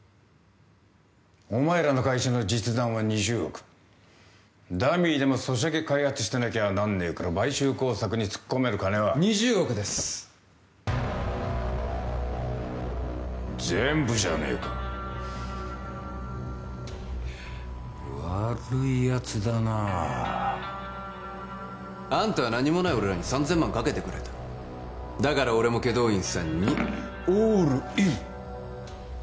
お前らの会社の実弾は２０億ダミーでもソシャゲ開発してなきゃなんねえから買収工作に突っ込める金は２０億です全部じゃねえか悪いやつだなああんたは何もない俺らに３千万かけてくれただから俺も祁答院さんにオールイン！